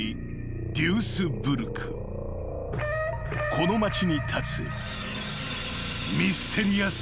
［この町に立つ］